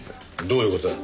どういう事だ？